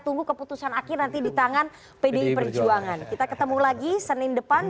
tunggu keputusan akhir nanti di tangan pdi perjuangan kita ketemu lagi senin depan